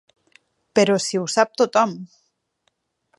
Però si ho sap tothom!